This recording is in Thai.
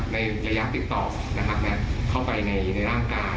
ในระยะติดต่อนะครับเข้าไปในร่างกาย